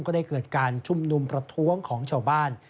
ก็ได้เกิดการชุมนุมประท้วงของชาวบ้าน